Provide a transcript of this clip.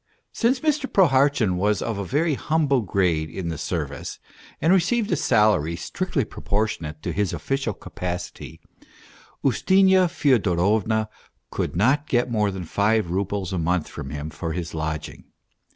Since Mr. Prohartchin was of a very humble grade in the service, and received a salary strictly pro portionate to his official capacity, Ustinya Fyodorovna could not get more than five roubles a month from him for his lodging.